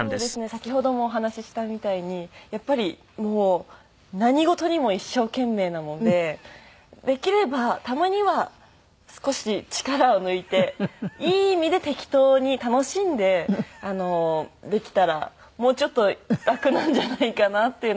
先ほどもお話ししたみたいにやっぱりもう何事にも一生懸命なのでできればたまには少し力を抜いていい意味で適当に楽しんでできたらもうちょっと楽なんじゃないかなっていうのは思いますね。